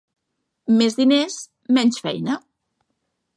Més diners, menys feina.